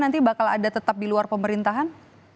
nanti bakal ada tetap di luar pemerintahan